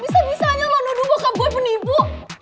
bisa bisanya lo nuduh bokap gue penipu